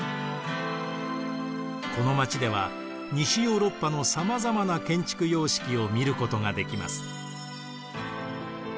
この街では西ヨーロッパのさまざまな建築様式を見ることができます。